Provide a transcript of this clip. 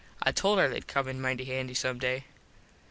I told her theyd come in mighty handy some day.